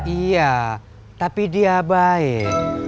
iya tapi dia baik